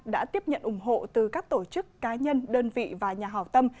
đã tiếp nhận ủng hộ từ các tổ chức cá nhân đơn vị và nhà hảo tâm